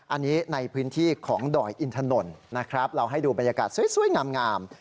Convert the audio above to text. อันนี้ในพื้นที่ของดอยอินถนนนะครับเราให้ดูบรรยากาศสวยงาม